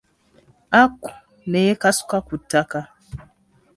Aku ne yekasuka ku ttaka.